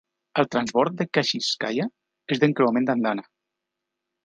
El transbord de Kashirskaya és d'encreuament d'andana.